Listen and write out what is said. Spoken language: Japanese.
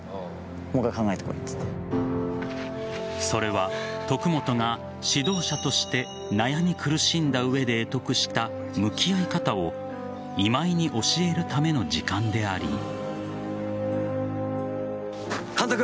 それは徳本が指導者として悩み苦しんだ上で会得した向き合い方を今井に教えるための時間であり。